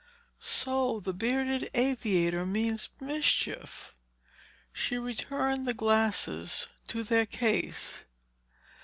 "So the bearded aviator means mischief!" She returned the glasses to their case.